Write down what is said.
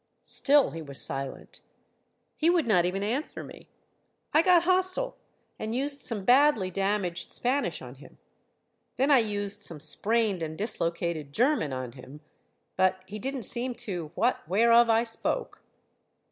Still he was silent. He would not even answer me. I got hostile and used some badly damaged Spanish on him. Then I used some sprained and dislocated German on him, but he didn't seem to wot whereof I spoke.